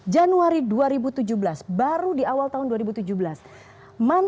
januari dua ribu tujuh belas baru di awal tahun dua ribu tujuh belas